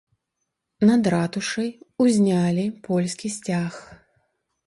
Над ратушай узнялі польскі сцяг.